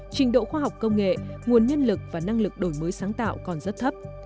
trình độ khoa học công nghệ nguồn nhân lực và năng lực đổi mới sáng tạo còn rất thấp